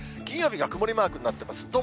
金曜日が曇りマークになってます。